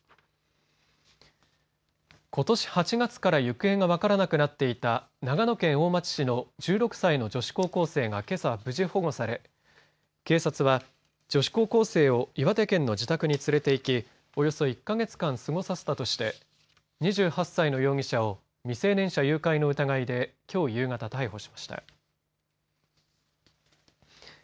ことし８月から行方が分からなくなっていた長野県大町市の１６歳の女子高校生がけさ、無事保護され警察は女子高校生を岩手県の自宅に連れて行きおよそ１か月過ごさせていたとして２８歳の容疑者を未成年者誘拐の疑いできょう夕方逮捕しました。